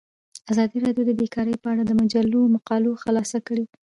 ازادي راډیو د بیکاري په اړه د مجلو مقالو خلاصه کړې.